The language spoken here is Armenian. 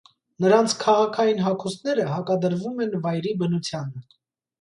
Նրանց քաղաքային հագուստները հակադրվում են վայրի բնությանը։